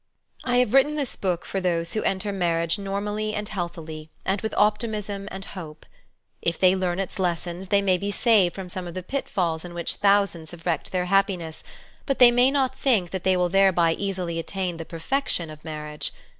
f I have written this book for those who enter mar i riage normally and healthily, and with optimism and ! hope. j If they learn its lessons they may be saved from ; some of the pitfalls in which thousands have ''■ wrecked their happiness, but they must not think that ■' they will thereby easily attain the perfection of ^ marriage.